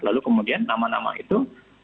lalu kemudian nama nama itu